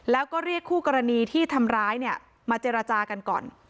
แล้วก็เรียกคู่กรณีที่ทำร้ายเนี่ยมาเจรจากันก่อน